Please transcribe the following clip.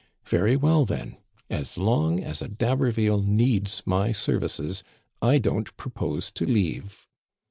Very well, then ! As long as a D'Haberville needs my services, I don't propose to leave."